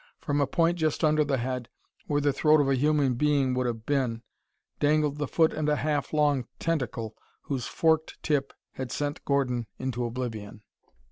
From a point just under the head, where the throat of a human being would have been, dangled the foot and a half long tentacle whose forked tip had sent Gordon into oblivion.